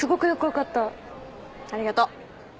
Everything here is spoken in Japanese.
ありがとう。